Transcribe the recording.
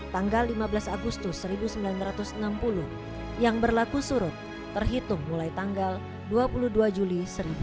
tanggal lima belas agustus seribu sembilan ratus enam puluh yang berlaku surut terhitung mulai tanggal dua puluh dua juli seribu sembilan ratus